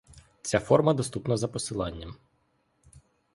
Ця форма доступна за посиланням.